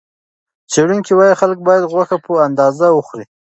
څېړونکي وايي، خلک باید غوښه په اندازه وخوري.